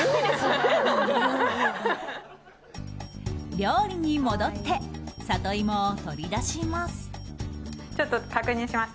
料理に戻ってサトイモを取り出します。